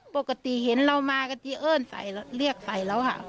ปกติเห็นเรามาก็จีเอิ้นใส่เรียกใส่แล้วค่ะ